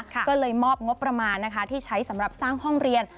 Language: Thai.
ก็เลยมอบงบประมาณนะคะที่ใช้สำหรับสร้างห้องเรียน